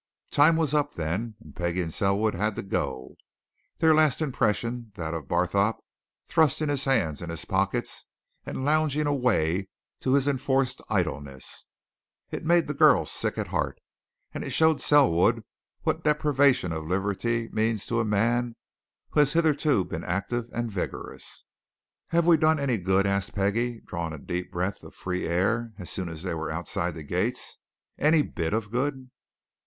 Time was up, then, and Peggie and Selwood had to go their last impression that of Barthorpe thrusting his hands in his pockets and lounging away to his enforced idleness. It made the girl sick at heart, and it showed Selwood what deprivation of liberty means to a man who has hitherto been active and vigorous. "Have we done any good?" asked Peggie, drawing a deep breath of free air as soon as they were outside the gates. "Any bit of good?"